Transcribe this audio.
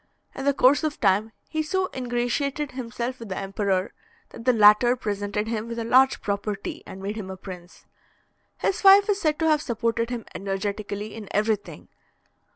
In the course of time, he so ingratiated himself with the emperor, that the latter presented him with a large property, and made him a prince. His wife is said to have supported him energetically in everything.